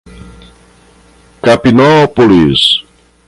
Capinópolis